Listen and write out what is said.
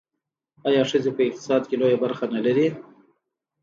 آیا ښځې په اقتصاد کې لویه برخه نلري؟